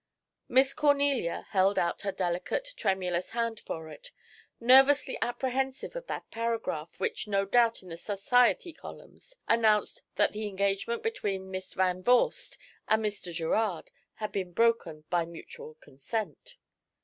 Miss Cornelia held out her delicate, tremulous hand for it, nervously apprehensive of that paragraph which no doubt in the society columns, announced that the engagement between Miss Van Vorst and Mr. Gerard had been broken "by mutual consent."